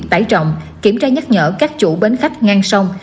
tải trọng kiểm tra nhắc nhở các chủ bến khách ngang sông